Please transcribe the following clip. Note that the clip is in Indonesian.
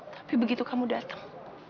tapi begitu kamu datang